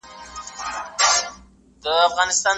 مدیتیشن د ژوند یوه ښکلې برخه ده.